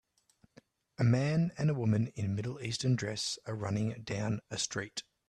A man and woman in MiddleEastern dress are running down a street.